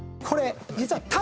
これ実は。